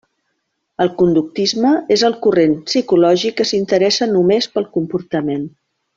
El conductisme és el corrent psicològic que s'interessa només pel comportament.